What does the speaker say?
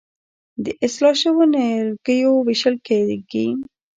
د اصلاح شویو نیالګیو ویشل کیږي.